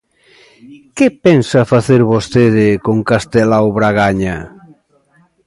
Que pensa facer vostede con Castelao Bragaña?